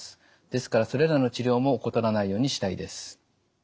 ですからそれらの治療も怠らないようにしたいです。